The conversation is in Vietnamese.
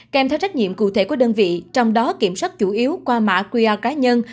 kèm theo trách nhiệm cụ thể của đơn vị trong đó kiểm soát chủ yếu qua mã qr cá nhân